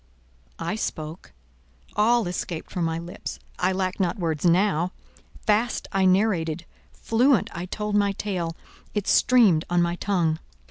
I spoke. All escaped from my lips. I lacked not words now; fast I narrated; fluent I told my tale; it streamed on my tongue.